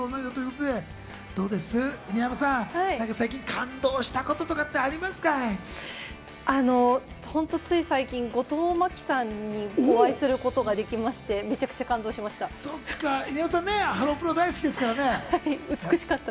犬山さん、最近感動したこととか最近、後藤真希さんにお会いすることができまして、めちゃくちゃ感動しました。